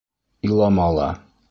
Илама ла.